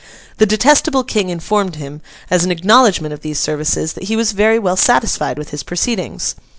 The detestable King informed him, as an acknowledgment of these services, that he was 'very well satisfied with his proceedings.